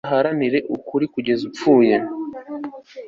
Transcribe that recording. uzaharanire ukuri kugeza gupfa